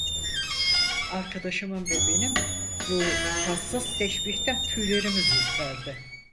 Arkadaşımın ve benim bu tatsız teşbihten tüylerimiz ürperdi.